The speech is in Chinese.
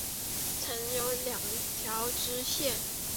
曾有两条支线。